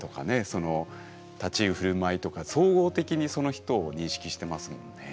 その立ち居振る舞いとか総合的にその人を認識してますもんね。